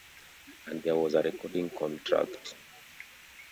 And there was a recording contract.